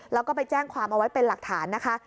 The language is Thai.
แล้วก็ไปแจ้งความเอาไว้เป็นหลักฐานนะคะ